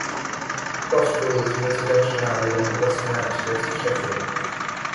Crosspool is a residential area on the western outskirts of Sheffield.